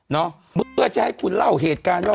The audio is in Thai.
เนาะมุดเบื้อจะให้คุณเล่าเหตุการณ์